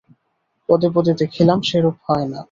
পদে পদে দেখিলাম, সেরূপ হয় না।